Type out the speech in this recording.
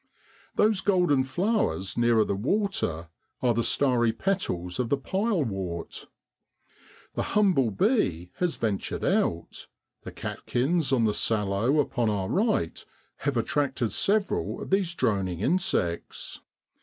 Those golden flowers nearer the water are the starry petals of the pilewort. The humble bee has ventured out; the catkins on the sallow upon our right have attracted several of these droning insects.